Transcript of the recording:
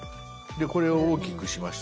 これを大きくしました。